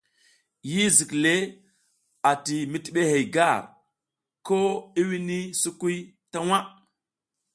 Yi zik le a ti mizlihey gar ko i wini sukuy ta waʼ.